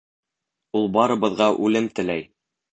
Ул барыбыҙға үлем теләй.